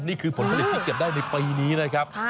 นี่คือผลผลิตที่เก็บได้ในปีนี้นะครับ